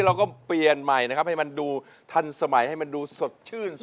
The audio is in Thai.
เราก็เปลี่ยนใหม่นะครับให้มันดูทันสมัยให้มันดูสดชื่น